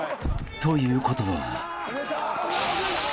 ［ということは］